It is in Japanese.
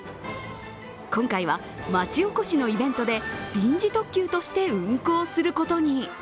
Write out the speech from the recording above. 今回は、町おこしのイベントで臨時特急として運行することに。